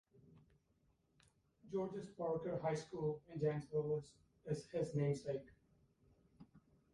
George S. Parker High School in Janesville is his namesake.